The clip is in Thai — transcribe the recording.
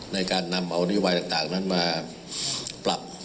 ในการนำเอานโยบายต่างนั้นมาปรับ